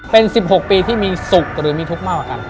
เป็น๑๖ปีที่มีสุขหรือมีทุกข์มากกว่ากัน